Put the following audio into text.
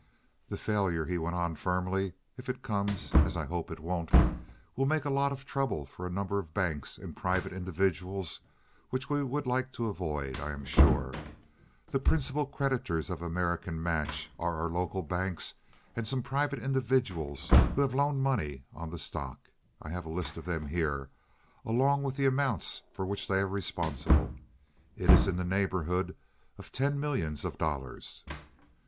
"The failure," he went on, firmly, "if it comes, as I hope it won't, will make a lot of trouble for a number of banks and private individuals which we would like to avoid, I am sure. The principal creditors of American Match are our local banks and some private individuals who have loaned money on the stock. I have a list of them here, along with the amounts for which they are responsible. It is in the neighborhood of ten millions of dollars."